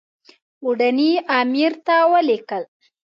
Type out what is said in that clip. اوډني امیر ته ولیکل.